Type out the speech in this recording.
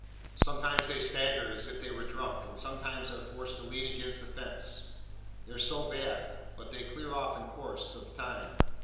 Sometimes they stagger as if they were drunk, and sometimes are forced to lean against the fence, they're so bad:—but they clear off in course of time.